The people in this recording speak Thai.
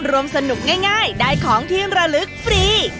รวมสนุกง่ายได้ของที่ระลึกฟรี